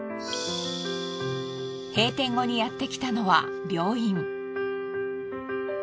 閉店後にやってきたのは病院。